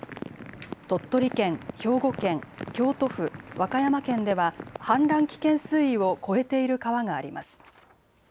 鳥取県、兵庫県、京都府、和歌山県では氾濫危険水位を超えている川があります。